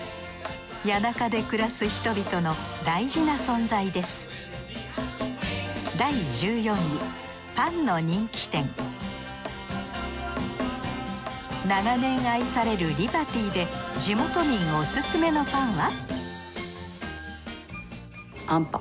谷中で暮らす人々の大事な存在です長年愛されるリバティで地元民オススメのパンは？